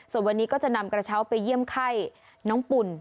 ส่วนวันนี้ก็จะนำกระเช้าไปเยี่ยมไข้น้องปุ่น